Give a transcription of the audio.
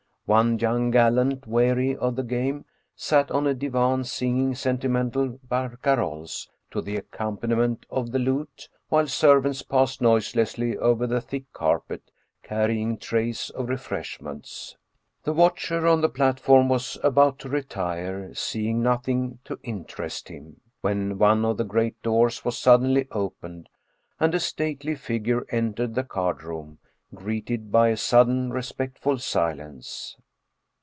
One young gallant, weary of the game, sat on a divan singing sentimental barcaroles to the accom paniment of the lute, while servants passed noiselessly over the thick carpet carrying trays of refreshments. The watcher on the platform was about to retire, seeing nothing to interest him, when one of the great doors was suddenly opened and a stately figure entered the card room, greeted by a sudden respectful silence.